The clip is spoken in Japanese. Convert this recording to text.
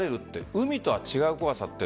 海とは違う怖さって